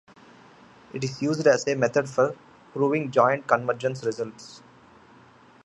It is used as a method for proving joint convergence results.